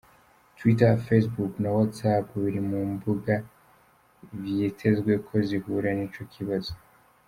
Twitter, Facebook na WatsApp biri mu mbuga vyitezwe ko zihura n'ico kibazo.